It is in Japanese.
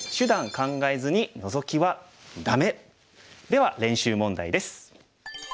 では練習問題です。